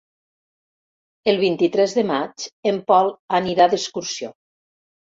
El vint-i-tres de maig en Pol anirà d'excursió.